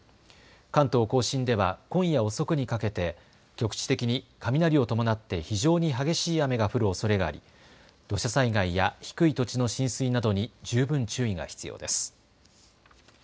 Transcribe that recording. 関東甲信では今夜遅くにかけて局地的に雷を伴って非常に激しい雨が降るおそれがあり土砂災害や低い土地の浸水などに十分注意が必要です。